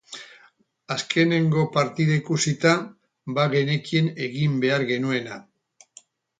Azkenengo partida ikusita, bagenekien egin behar genuena.